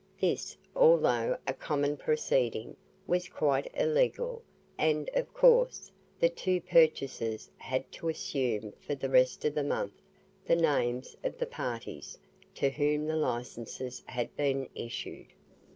This, although a common proceeding, was quite illegal, and, of course, the two purchasers had to assume for the rest of the month the names of the parties to whom the licences had been issued.